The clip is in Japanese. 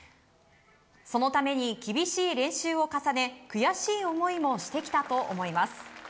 そのために厳しい練習を重ね悔しい思いもしてきたと思います。